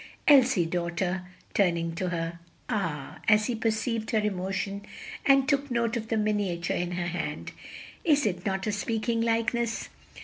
"Elsie daughter," turning to her "Ah!" as he perceived her emotion and took note of the miniature in her hand, "is it not a speaking likeness?"